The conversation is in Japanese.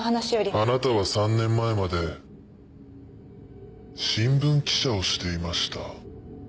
あなたは３年前まで新聞記者をしていました。